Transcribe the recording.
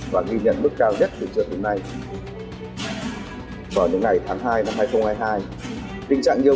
và ghi nhận mức cao nhất từ trước đến nay vào những ngày tháng hai năm hai nghìn hai mươi hai tình trạng nhiều